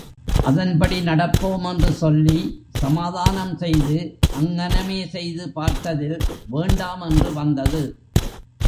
அதன்படி நடப்போம், என்று சொல்லி சமாதானம் செய்து, அங்ஙனமே செய்து பார்த்ததில், வேண்டாம் என்று வந்தது!